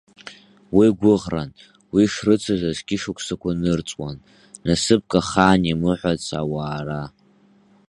Уи гәыӷран, уи шрыцыз азқьышықәсақәа нырҵуан, насыԥк ахаан иамыҳәац ауаара.